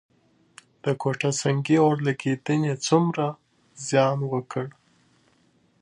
د کوټه سنګي اورلګیدنې څومره زیان وکړ؟